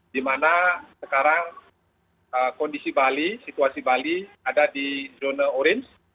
di mana sekarang kondisi bali situasi bali ada di zona orange